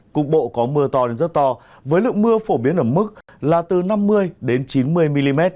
cục bộ có mưa to đến rất to với lượng mưa phổ biến ở mức là từ năm mươi đến chín mươi mm